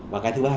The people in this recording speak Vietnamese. và cái thứ ba nữa